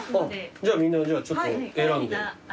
じゃあみんなちょっと選んで。